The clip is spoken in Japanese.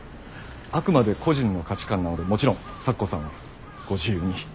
あくまで個人の価値観なのでもちろん咲子さんはご自由に。